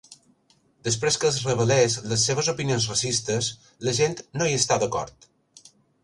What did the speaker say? Després que els revelés les seves opinions racistes, la gent no hi està d'acord.